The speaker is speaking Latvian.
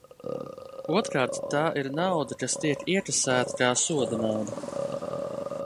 Otrkārt, tā ir nauda, kas tiek iekasēta kā sodanauda.